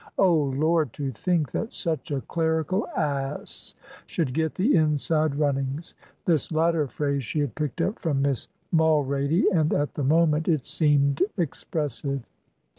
Oh, Lord, to think that such a clerical ass should get the inside runnings!" This latter phrase she had picked up from Miss Mulrady, and at the moment it seemed expressive.